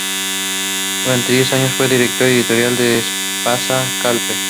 Durante diez años fue director editorial de Espasa Calpe.